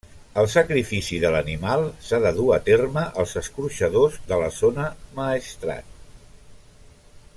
El sacrifici de l'animal s'ha de dur a terme als escorxadors de la zona Maestrat.